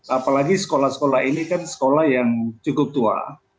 apalagi sekolah sekolah ini kan sekolah yang cukup tua